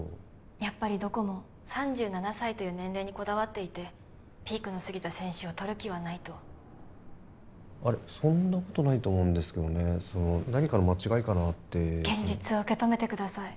やっぱりどこも３７歳という年齢にこだわっていてピークの過ぎた選手をとる気はないとあれそんなことないと思うんですけどね何かの間違いかなって現実を受け止めてください